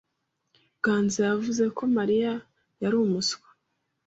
Ganza yavuze ko Mariya yari umuswa.